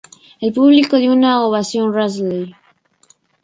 El público dio una ovación Rachelle.